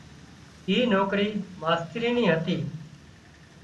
اي نوڪرِي ماسترِي نِي هتي